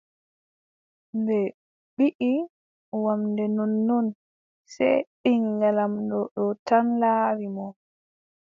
Ɓe mbiʼi wamnde nonnnon, sey ɓiŋngel laamɗo ɗo tan laari mo.